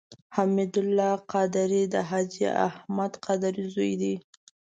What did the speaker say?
حمید الله قادري د حاجي احمد قادري زوی دی.